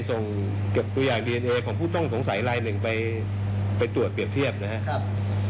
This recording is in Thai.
ส่งเก็บตัวอย่างดีเอนเอของผู้ต้องสงสัยลายหนึ่งไปตรวจเปรียบเทียบนะครับ